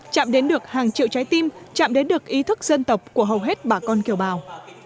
chạm đến được hàng triệu trái tim chạm đến được ý thức dân tộc của hầu hết bà con kiều bào